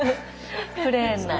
プレーンな。